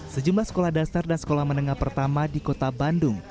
sejumlah sekolah dasar dan sekolah menengah pertama di kota bandung